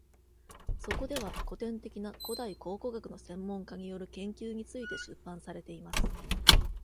そこでは、古典的な古代考古学の専門家による研究について出版されています。